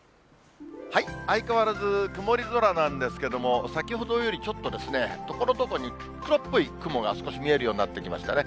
相変わらず曇り空なんですけども、先ほどよりちょっと、ところどころに黒っぽい雲が少し見えるようになってきましたね。